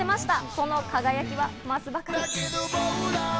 その輝きを増すばかり。